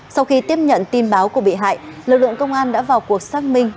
sau khi tiếp nhận tin báo của bị hại lực lượng công an đã vào cuộc xác minh